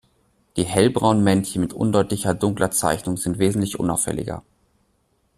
Die hellbraunen Männchen mit undeutlicher dunkler Zeichnung sind wesentlich unauffälliger.